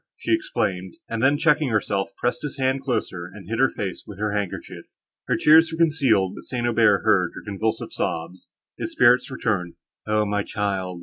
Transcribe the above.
she exclaimed; and then, checking herself, pressed his hand closer, and hid her face with her handkerchief. Her tears were concealed, but St. Aubert heard her convulsive sobs. His spirits returned. "O my child!"